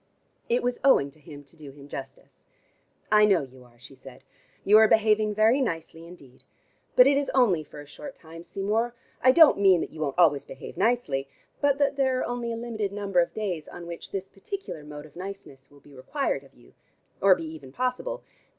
It was owing to him to do him justice. "I know you are," she said, "you are behaving very nicely indeed. But it is only for a short time, Seymour. I don't mean that you won't always behave nicely, but that there are only a limited number of days on which this particular mode of niceness will be required of you, or be even possible.